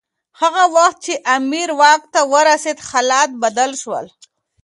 هغه وخت چي امیر واک ته ورسېد حالات بدل شول.